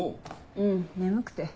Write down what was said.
うん眠くて。